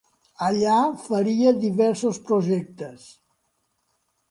Allà faria diversos projectes.